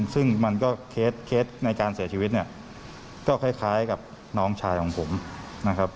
ซึ่งมันก็เคสในการเสียชีวิตเนี่ยก็คล้ายกับน้องชายของผมนะครับ